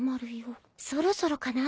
そろそろかな？